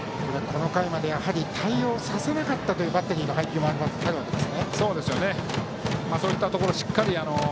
この回まで対応させなかったというバッテリーの配球もあります。